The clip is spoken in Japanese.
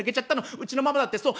うちのママだってそう。